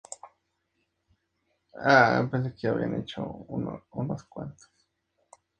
Allí se celebrarán cursos, talleres, exposiciones y toda clase de actividades culturales.